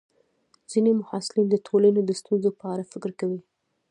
ځینې محصلین د ټولنې د ستونزو په اړه فکر کوي.